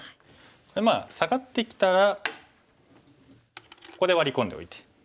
まあサガってきたらここでワリ込んでおいて。